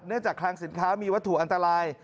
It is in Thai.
เนื่องจากคลางสินค้ามีวัตถุอันตราย